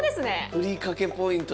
ふりかけポイント！